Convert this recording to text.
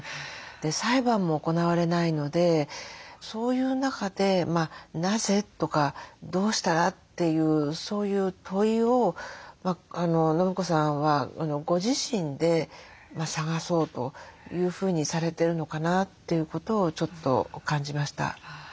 裁判も行われないのでそういう中でなぜ？とかどうしたら？っていうそういう問いを伸子さんはご自身で探そうというふうにされてるのかなということをちょっと感じました。